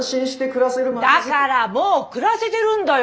だからもう暮らせてるんだよ！